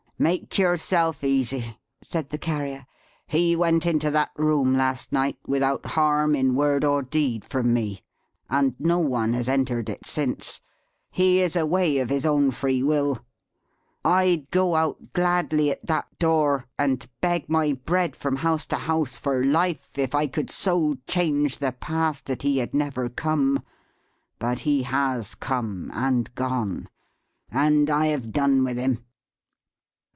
"Make yourself easy," said the Carrier. "He went into that room last night, without harm in word or deed from me; and no one has entered it since. He is away of his own free will. I'd go out gladly at that door, and beg my bread from house to house, for life, if I could so change the past that he had never come. But he has come and gone. And I have done with him!"